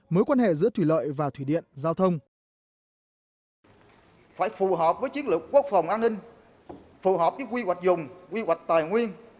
mối quan hệ giữa thủy lợi và thủy điện giao thông